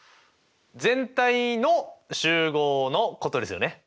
全体の集合のことですよね。